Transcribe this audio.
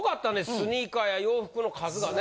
スニーカーや洋服の数がね。